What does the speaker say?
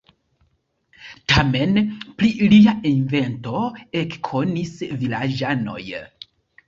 Tamen pri lia invento ekkonis vilaĝanoj.